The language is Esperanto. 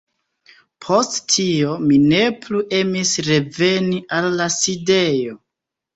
Post tio, mi ne plu emis reveni al la sidejo.